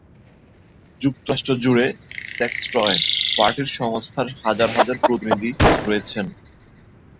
যুক্তরাষ্ট্র জুড়ে sex toy party সংস্থার হাজার হাজার প্রতিনিধি রয়েছেন।